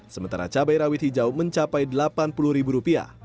sementara cabai rawit hijau mencapai delapan puluh ribu rupiah